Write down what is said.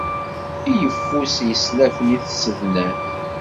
I yeffus yeslafen i tsednan